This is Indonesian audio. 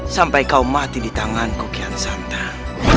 sampai kau mati di tanganku kian santan